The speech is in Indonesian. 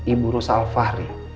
ibu rosa al fahri